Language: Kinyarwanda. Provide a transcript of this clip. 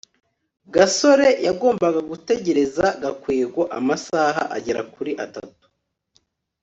gasore yagombaga gutegereza gakwego amasaha agera kuri atatu